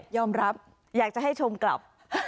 รับอยากจะให้ชมกลับ